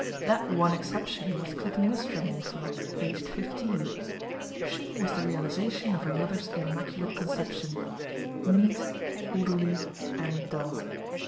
That one exception was Clytemnestra Morpher, aged fifteen. She was the realization of her mother's immaculate conception neat, orderly, and dull.